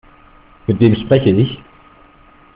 Mit wem spreche ich?